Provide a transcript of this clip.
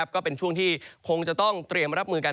ก็เป็นช่วงที่คงจะต้องเตรียมรับมือกัน